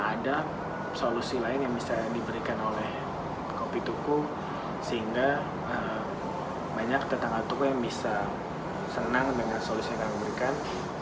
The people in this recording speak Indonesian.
ada solusi lain yang bisa diberikan oleh kopi tuku sehingga banyak tetangga tuku yang bisa senang dengan solusi yang kami berikan